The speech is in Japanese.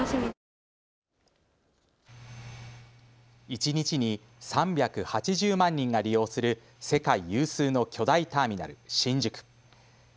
一日に３８０万人が利用する世界有数の巨大ターミナル、新宿。